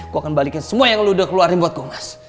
gue akan balikin semua yang udah lu keluarin buat gue mas